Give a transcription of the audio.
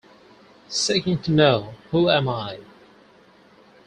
Seeking to know: 'Who am I?